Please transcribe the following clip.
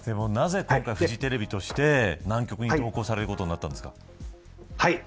なぜ今回フジテレビとして南極に同行されることになったんですか。